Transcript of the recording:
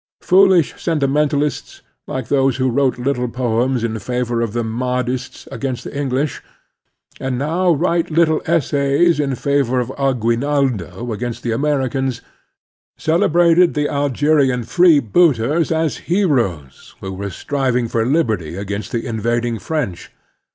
Foolish sentimen talists, like those who wrote little poems in favor of the Mahdists against the English, and who now write little essays in favor of Aguinaldo against the Americans, celebrated the Algerian free booters as heroes who were striving for liberty against the invading French.